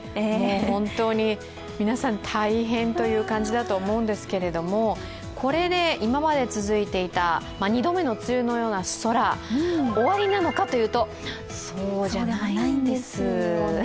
本当に皆さん大変という感じだと思うんですけどこれで今まで続いていてた、２度目の梅雨のような空、終わりなのかというと、そうじゃないんです。